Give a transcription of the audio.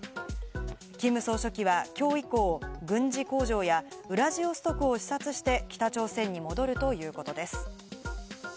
キム総書記はきょう以降、軍事工場やウラジオストクを視察して北朝鮮に戻るということです。